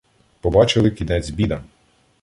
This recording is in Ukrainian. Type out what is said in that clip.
Побачили кінець бідам!